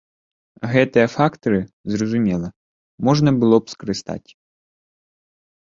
Гэтыя фактары, зразумела, можна было б скарыстаць.